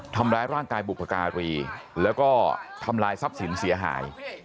ทำร้ายร่างกายบุพการีแล้วก็ทำลายทรัพย์สินเสียหาย